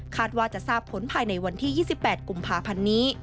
ว่าจะทราบผลภายในวันที่๒๘กุมภาพันธ์นี้